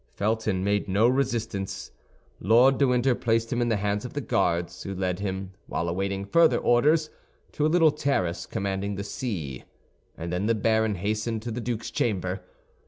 Felton made no resistance. Lord de Winter placed him in the hands of the guards, who led him, while awaiting further orders, to a little terrace commanding the sea; and then the baron hastened to the duke's chamber.